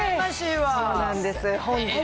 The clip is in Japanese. そうなんです。